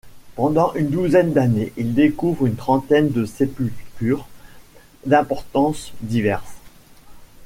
Pendant une douzaine d’années, il découvre une trentaine de sépultures d’importances diverses.